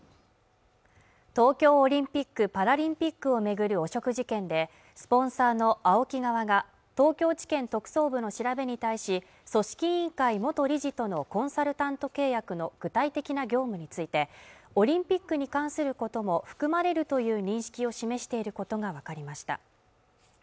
東京オリンピック・パラリンピックを巡る汚職事件でスポンサーのＡＯＫＩ側が東京地検特捜部の調べに対し組織委員会元理事とのコンサルタント契約の具体的な業務についてオリンピックに関することも含まれるという認識を示していることが分かりました